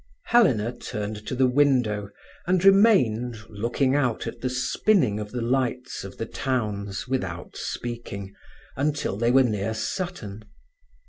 Helena turned to the window, and remained, looking out at the spinning of the lights of the towns without speaking, until they were near Sutton.